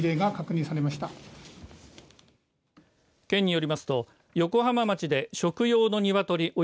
県によりますと横浜町で食用のニワトリ